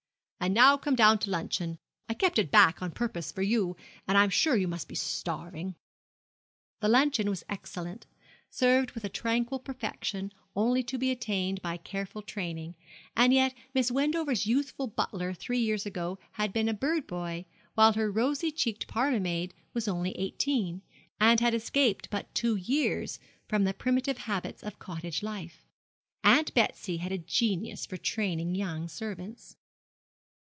'And now come down to luncheon; I kept it back on purpose for you, and I am sure you must be starving.' The luncheon was excellent, served with a tranquil perfection only to be attained by careful training; and yet Miss Wendover's youthful butler three years ago had been a bird boy; while her rosy cheeked parlour maid was only eighteen, and had escaped but two years from the primitive habits of cottage life. Aunt Betsy had a genius for training young servants.